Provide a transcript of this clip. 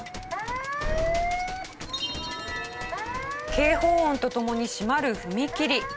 警報音とともに閉まる踏切。